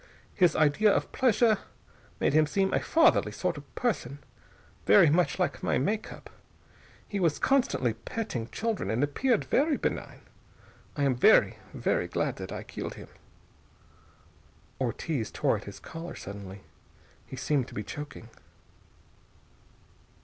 His idea of pleasure made him seem a fatherly sort of person, very much like my make up. He was constantly petting children, and appeared very benign. I am very, very glad that I killed him." Ortiz tore at his collar, suddenly. He seemed to be choking.